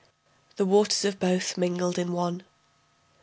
The waters of both mingled in one.